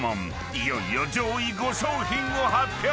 いよいよ上位５商品を発表］